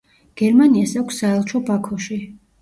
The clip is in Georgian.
გერმანიას აქვს საელჩო ბაქოში.